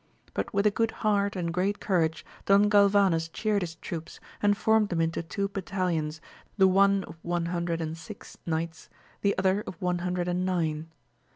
But with a good heart and great courage Don Galvanes cheared his troops, and formed them into two battalions, the one of one hundred and six knights, the other of one hundred and nine.